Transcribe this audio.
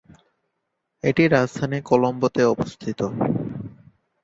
এটি রাজধানী কলম্বোতে অবস্থিত।